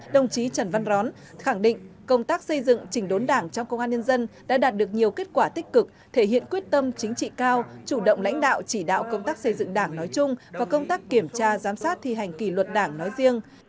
đồng chí trần văn rón khẳng định công tác xây dựng chỉnh đốn đảng trong công an nhân dân đã đạt được nhiều kết quả tích cực thể hiện quyết tâm chính trị cao chủ động lãnh đạo chỉ đạo công tác xây dựng đảng nói chung và công tác kiểm tra giám sát thi hành kỷ luật đảng nói riêng